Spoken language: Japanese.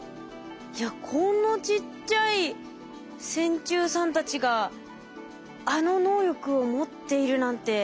いやこんなちっちゃい線虫さんたちがあの能力を持っているなんてすごいな。